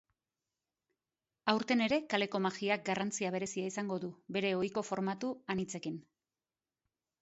Aurten ere kaleko magiak garrantzia berezia izango du, bere ohiko formatu anitzekin.